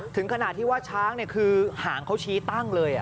ถึงขนาดที่ว่าช้างคือหางเขาชี้ตั้งเลย